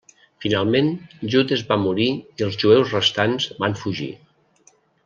Finalment Judes va morir i els jueus restants van fugir.